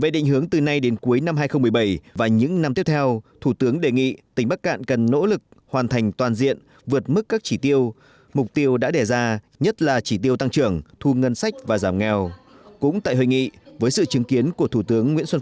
để phát huy có hiệu quả cao nhất các tiềm năng và lợi thế thủ tướng đề nghị tỉnh bắc cạn cần có các giải pháp cải thiện mạnh mẽ môi trường đầu tư kinh doanh